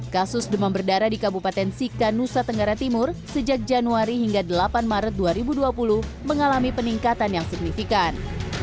kasus demam berdarah di kabupaten sika nusa tenggara timur sejak januari hingga delapan maret dua ribu dua puluh mengalami peningkatan yang signifikan